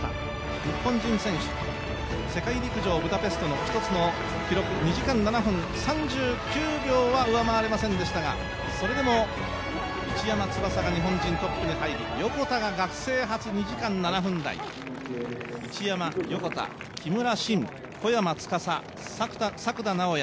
日本選手、世界陸上ブダペストの記録の一つ２時間７分３９秒は上回れませんでしたがそれでも市山翼が日本人トップに入り、横田が学生初２時間７分台、市山、横田、木村慎、小山司、作田直也